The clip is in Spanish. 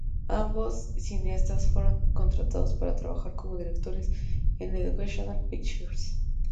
Ambos cineastas fueron contratados para trabajar como directores en Educational Pictures.